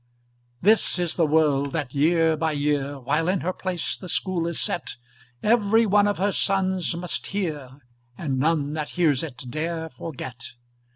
This is the word that year by year, While in her place the School is set, Every one of her sons must hear, And none that hears it dare forget.